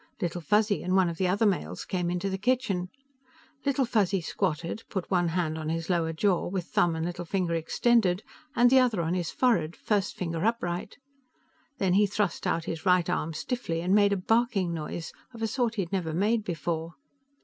Little Fuzzy and one of the other males came into the kitchen. Little Fuzzy squatted, put one hand on his lower jaw, with thumb and little finger extended, and the other on his forehead, first finger upright. Then he thrust out his right arm stiffly and made a barking noise of a sort he had never made before.